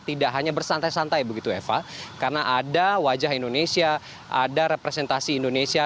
tidak hanya bersantai santai begitu eva karena ada wajah indonesia ada representasi indonesia